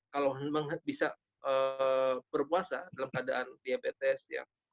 kalau memang bisa berpuasa dalam keadaan diabetes